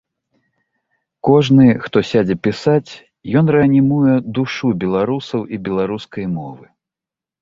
Кожны, хто сядзе пісаць, ён рэанімуе душу беларусаў і беларускай мовы.